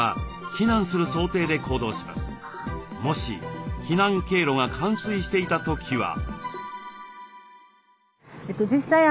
もし避難経路が冠水していた時は？